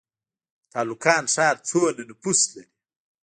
تالقان ښار څومره نفوس لري؟